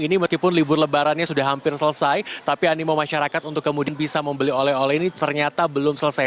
ini meskipun libur lebarannya sudah hampir selesai tapi animo masyarakat untuk kemudian bisa membeli oleh oleh ini ternyata belum selesai